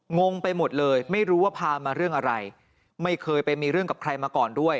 งงไปหมดเลยไม่รู้ว่าพามาเรื่องอะไรไม่เคยไปมีเรื่องกับใครมาก่อนด้วย